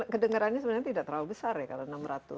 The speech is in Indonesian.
kedengarannya sebenarnya tidak terlalu besar ya kalau enam ratus